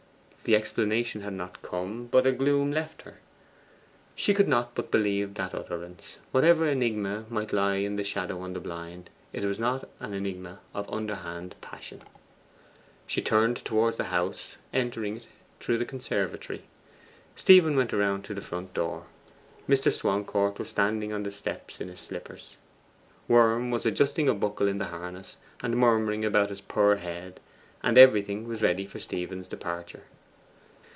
The explanation had not come, but a gloom left her. She could not but believe that utterance. Whatever enigma might lie in the shadow on the blind, it was not an enigma of underhand passion. She turned towards the house, entering it through the conservatory. Stephen went round to the front door. Mr. Swancourt was standing on the step in his slippers. Worm was adjusting a buckle in the harness, and murmuring about his poor head; and everything was ready for Stephen's departure.